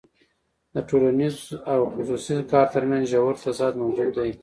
د ټولنیز او خصوصي کار ترمنځ ژور تضاد موجود دی